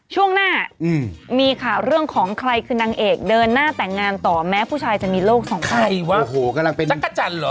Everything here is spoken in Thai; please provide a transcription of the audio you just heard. ช่วงหน้ามีข่าวเรื่องของใครคือนางเอกเดินหน้าแต่งงานต่อแม้ผู้ชายยังมีโรค๒จันตร์